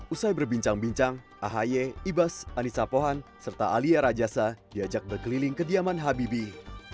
usai berbincang bincang ahaye ibas anissa pohan serta alia rajasa diajak berkeliling kediaman habibie